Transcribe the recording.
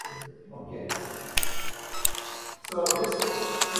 John Jones is of Welsh descent and was born in London, England.